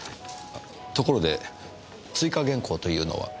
ところで追加原稿というのは？